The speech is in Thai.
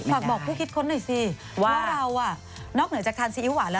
ฝากบอกผู้คิดค้นหน่อยสิว่าเราอ่ะนอกเหนือจากทานซีอิ๊วหวานแล้ว